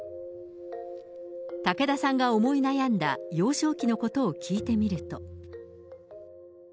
武田さんが思い悩んだ幼少期のことを聞いてみると。